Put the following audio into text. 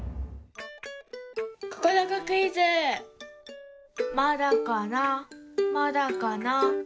ここどこクイズまだかなまだかな。